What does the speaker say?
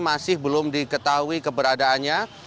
masih belum diketahui keberadaannya